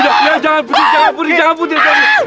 ya jangan putri jangan putri jangan putri